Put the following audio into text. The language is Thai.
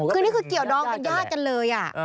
คือนี่คือเกี่ยวดองเป็นญาติกันเลย